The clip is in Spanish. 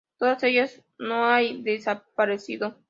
Todas ellas hoy han desaparecido.